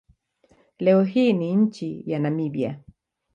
Leo hii ni nchi ya Namibia.